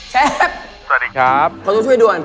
สวัสดีครับเขาต้องช่วยด่วน